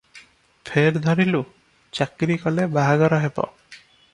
ଫେର ଧରିଲୁ, ଚାକିରି କଲେ ବାହାଘର ହେବ ।